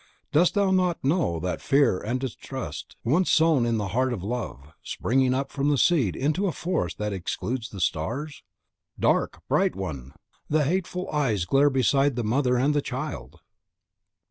Dost thou not know that Fear and Distrust, once sown in the heart of Love, spring up from the seed into a forest that excludes the stars? Dark, bright one! the hateful eyes glare beside the mother and the child!